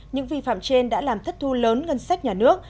những vi phạm trên đã làm thất thu lớn ngân sách nhà nước